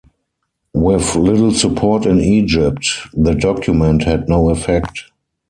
With little support in Egypt, the document had no effect.